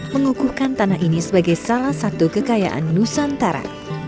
mengukuhkan tanah ini sebagai salah satu kekayaan nusantara